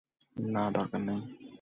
না, দরকার নাই।